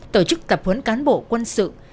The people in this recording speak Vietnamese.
tổ chức tập huấn cán bộ quân sự